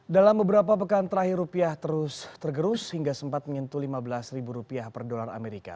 dalam beberapa pekan terakhir rupiah terus tergerus hingga sempat menyentuh lima belas ribu rupiah per dolar amerika